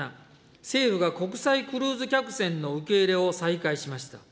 政府が国際クルーズ客船の受け入れを再開しました。